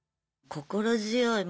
心強い。